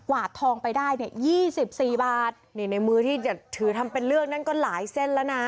วาดทองไปได้เนี่ยยี่สิบสี่บาทนี่ในมือที่จะถือทำเป็นเลือกนั่นก็หลายเส้นแล้วนะ